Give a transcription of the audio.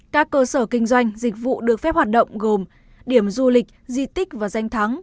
các cơ sở kinh doanh dịch vụ được phép hoạt động gồm điểm du lịch di tích và danh thắng